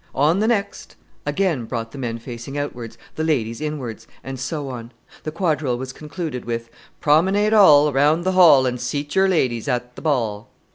"On the next!" again brought the men facing outwards, the ladies inwards and so on. The quadrille was concluded with, "Promenade all Around the hall, And seat your ladies at the ball."